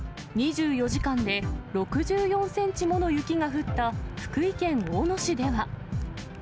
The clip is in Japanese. ２４時間で６４センチもの雪が降った福井県大野市では。